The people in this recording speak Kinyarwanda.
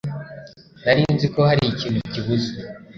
Nari nzi ko hari ikintu kibuze